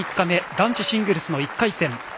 男子シングルスの１回戦。